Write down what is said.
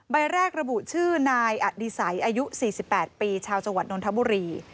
ใบแรกระบุชื่อนายอดิสัยอายุ๔๘ปีชาวจังหวัดนทบุรี